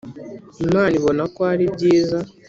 Imana ibona ko ari byiza